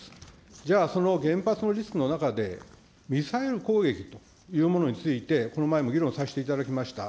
じゃあその原発のリスクの中で、ミサイル攻撃というものについて、この前も議論させていただきました。